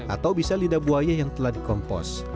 atau bisa lidah buaya yang telah dikompos